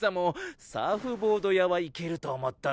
サーフボード屋はいけると思ったんだけどなあ。